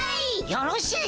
よろしい！